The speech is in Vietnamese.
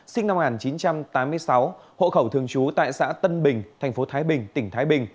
sinh năm một nghìn chín trăm tám mươi sáu hộ khẩu thường trú tại xã tân bình tp thái bình tỉnh thái bình